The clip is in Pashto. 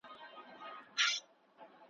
کورنۍ سفرونه یادګاري وي.